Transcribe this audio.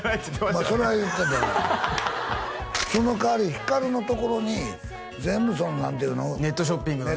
まあそれは言ってたなその代わりひかるのところに全部その何ていうのネットショッピングのね